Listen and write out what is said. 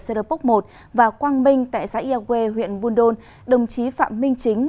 cedropoc một và quang minh tại xã yau que huyện buôn đôn đồng chí phạm minh chính